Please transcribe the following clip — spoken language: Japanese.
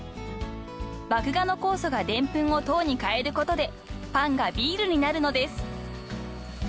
［麦芽の酵素がでんぷんを糖に変えることでパンがビールになるのです］